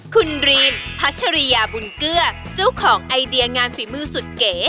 คุณรีมพัชริยาบุญเกลือเจ้าของไอเดียงานฝีมือสุดเก๋